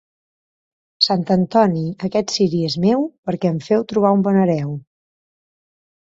Sant Antoni, aquest ciri és meu, perquè em feu trobar un bon hereu.